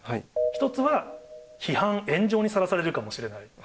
１つは批判・炎上にさらされるかもしれない。